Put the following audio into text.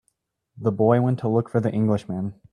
The boy went to look for the Englishman.